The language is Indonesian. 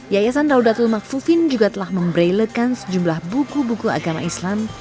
yayasan raudatul maqfufin juga telah membrailekan sejumlah buku buku agama islam